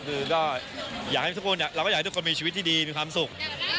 คือก็อยากให้ทุกคนเราก็อยากให้ทุกคนมีชีวิตที่ดีมีความสุข